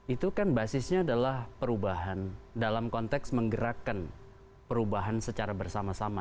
itu kan basisnya adalah perubahan dalam konteks menggerakkan perubahan secara bersama sama